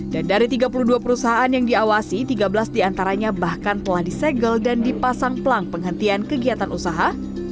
dan dari tiga puluh dua perusahaan yang diawasi tiga belas diantaranya bahkan telah disegel dan dipasang pelang penghentian kegiatan usaha